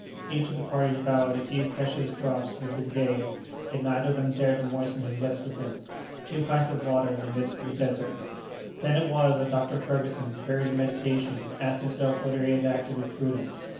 Each of the party devoured the few precious drops with his gaze, yet neither of them dared to moisten his lips with them. Two pints of water in the midst of the desert! Then it was that Dr. Ferguson, buried in meditation, asked himself whether he had acted with prudence.